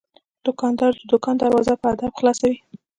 دوکاندار د دوکان دروازه په ادب خلاصوي.